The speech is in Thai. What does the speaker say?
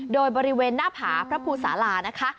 โดยบริเวณหน้าผาพระภูสาลานะคะ